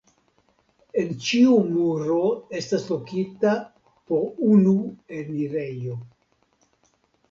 En ĉiu muro estas lokita po unu enirejo.